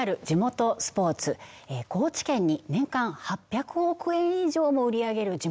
地元スポーツ高知県に年間８００億円以上も売り上げる